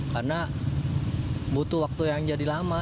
karena butuh waktu yang jadi lama